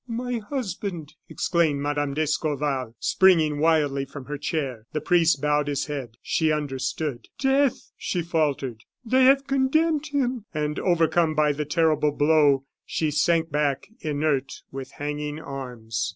"My husband!" exclaimed Mme. d'Escorval, springing wildly from her chair. The priest bowed his head; she understood. "Death!" she faltered. "They have condemned him!" And overcome by the terrible blow, she sank back, inert, with hanging arms.